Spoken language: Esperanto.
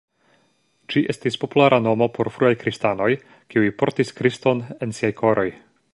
Ĝi estis populara nomo por fruaj kristanoj kiuj "portis Kriston en siaj koroj.